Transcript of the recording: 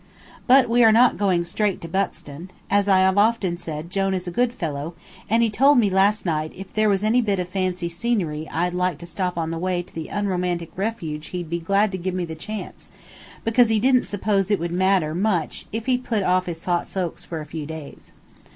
But we are not going straight to Buxton. As I have often said, Jone is a good fellow, and he told me last night if there was any bit of fancy scenery I'd like to stop on the way to the unromantic refuge he'd be glad to give me the chance, because he didn't suppose it would matter much if he put off his hot soaks for a few days.